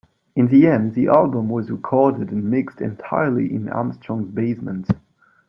In the end, the album was recorded and mixed entirely in Armstrong's basement.